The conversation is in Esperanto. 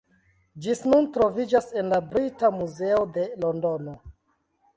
Ĝi nun troviĝas en la Brita Muzeo de Londono.